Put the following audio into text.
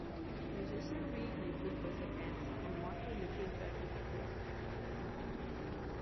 Musician Reid Nibley was a grandson, and Martha Nibley Beck is a great-granddaughter.